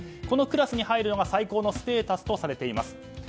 このクラスに入るのが最高のステータスとされています。